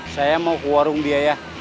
saya mau ke warung biaya